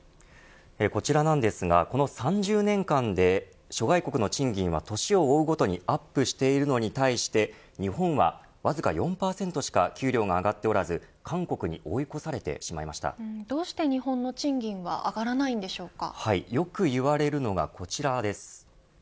こちらなんですがこの３０年間で諸外国の賃金は年を追うごとにアップしているのに対して日本はわずか４％しか給料が上がっておらず韓国にどうして日本の賃金はよく言われるのがこちらです。